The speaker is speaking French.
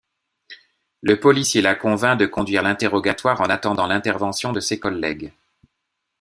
Le policier la convainc de conduire l'interrogatoire en attendant l'intervention de ses collègues…